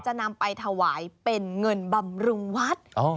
จะนำไปถวายเป็นเงินบำรุงวัด